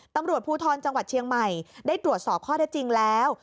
ตำรวจภูทรจังหวัดเชียงใหม่ได้ตรวจสอบข้อได้จริงแล้ว